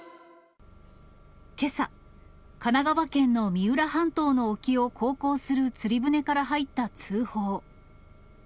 けさ、神奈川県の三浦半島の沖を航行する釣り船から入った通報。